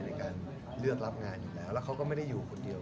และเขาก็ไม่ได้อยู่คนเดียว